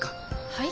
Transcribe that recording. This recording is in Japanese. はい？